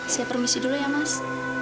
saya permisi dulu ya mas